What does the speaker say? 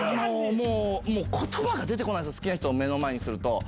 もう、ことばが出てこないんですよ、好きな人を目の前にすると。